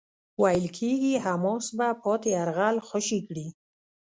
ویل کېږی حماس به پاتې يرغمل خوشي کړي.